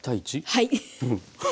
はい。